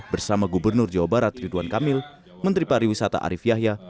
bersama gubernur jawa barat ridwan kamil menteri pariwisata arief yahya